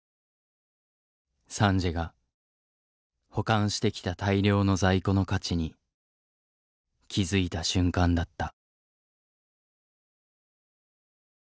サンジエが保管してきた大量の在庫の価値に気付いた瞬間だった。